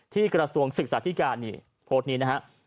ที่กระทรวงศึกษาธิการโพสต์นี้นะครับ